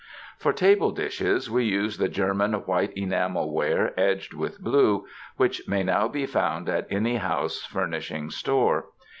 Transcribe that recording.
For table dishes we use the German white enamel ware edged with blue, which may now be found at any house furnishing store.